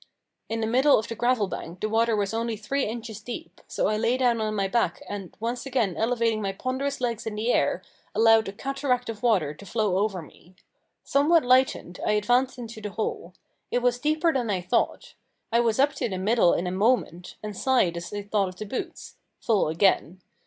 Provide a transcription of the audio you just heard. In the middle of the gravel bank the water was only three inches deep, so I lay down on my back and, once again elevating my ponderous legs in the air, allowed a cataract of water to flow over me. Somewhat lightened, I advanced into the hole. It was deeper than I thought. I was up to the middle in a moment, and sighed as I thought of the boots full again.